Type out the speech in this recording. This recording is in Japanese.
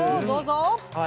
どうぞ。